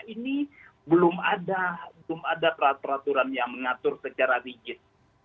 ini belum ada peraturan yang mengatur secara rigid